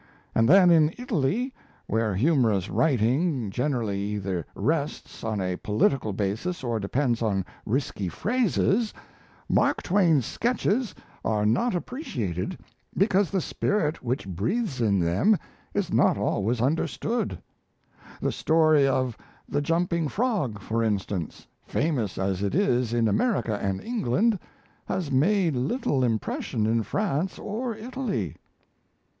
And then in Italy, where humorous writing generally either rests on a political basis or depends on risky phrases, Mark Twain's sketches are not appreciated because the spirit which breathes in them is not always understood. The story of 'The Jumping Frog', for instance, famous as it is in America and England, has made little impression in France or Italy."